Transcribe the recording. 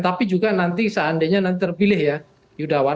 tapi juga nanti seandainya nanti terpilih ya yudawan